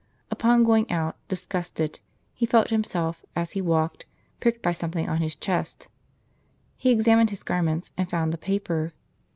Upon going out, disgusted, he felt himself, as he walked, pricked by something on his chest : he examined his garments, and found the paper.